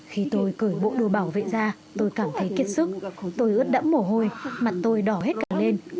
khi tôi cởi bộ đồ bảo vệ ra tôi cảm thấy kiệt sức tôi ướt đã mổ hôi mặt tôi đỏ hết càng lên